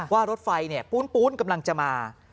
ว่ารถไฟปูนกำลังจะมา